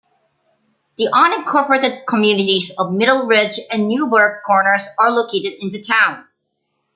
The unincorporated communities of Middle Ridge and Newberg Corners are located in the town.